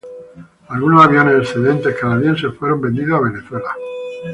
Algunos aviones excedentes canadienses fueron vendidos a Venezuela.